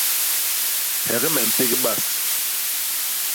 Hek me mpék bas.